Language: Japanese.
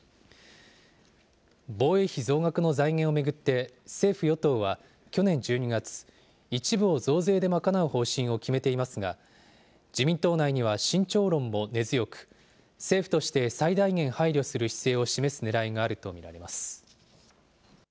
防衛費増額の財源を巡って政府・与党は去年１２月、一部を増税で賄う方針を決めていますが、自民党内には慎重論も根強く、政府として最大限配慮する姿勢を示すねらいがあると見られます。